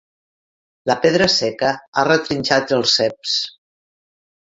La pedra seca ha retrinxat els ceps.